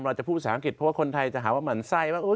เราจะพูดภาษาอังกฤษเพราะว่าคนไทยจะหาว่าหมั่นไส้ว่า